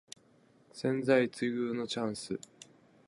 千載一遇のチャンス